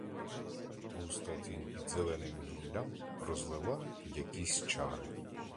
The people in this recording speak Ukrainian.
Густа тінь під зеленим гіллям розлила якісь чари.